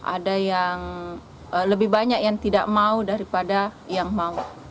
ada yang lebih banyak yang tidak mau daripada yang mau